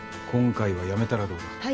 今回はやめたらどうだ？